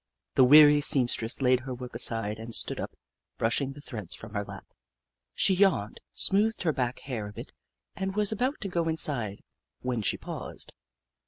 The weary seamstress laid her work aside and stood up, brushing the threads from her lap. She yawned, smoothed her back hair a bit, and was about to go inside, when she paused.